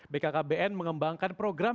bkkbn mengembangkan program